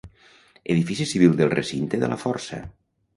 Edifici civil del recinte de la Força.